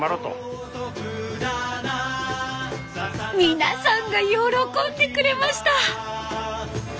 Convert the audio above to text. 皆さんが喜んでくれました。